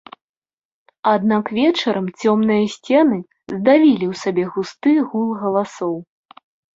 Аднак вечарам цёмныя сцены здавілі ў сабе густы гул галасоў.